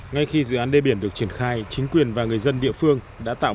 ngay khi dự án đê biển được triển khai chính quyền và người dân địa phương đã tạo